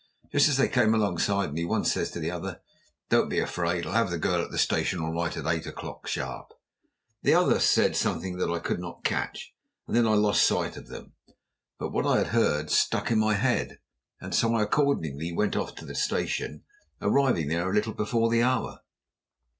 Just as they came alongside me, one says to the other, 'Don't be afraid; I'll have the girl at the station all right at eight o'clock sharp.' The other said something that I could not catch, and then I lost sight of them. But what I had heard stuck in my head, and so I accordingly went off to the station, arriving there a little before the hour.